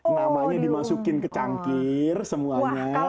namanya dimasukin ke cangkir semuanya